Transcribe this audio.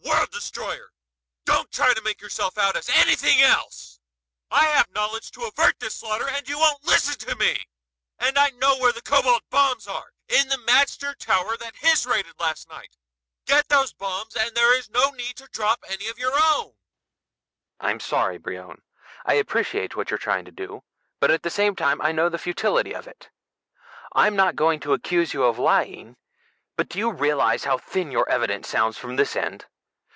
"You're a killer and a world destroyer don't try to make yourself out as anything else. I have the knowledge to avert this slaughter and you won't listen to me. And I know where the cobalt bombs are in the magter tower that Hys raided last night. Get those bombs and there is no need to drop any of your own!" "I'm sorry, Brion. I appreciate what you're trying to do, but at the same time I know the futility of it. I'm not going to accuse you of lying, but do you realize how thin your evidence sounds from this end?